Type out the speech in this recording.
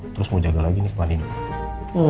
terus mau jaga lagi nih pani nno